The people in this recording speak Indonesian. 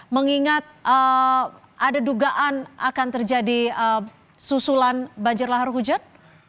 mengingat ada dugaan akan terjadi susulan banjir lahar hujan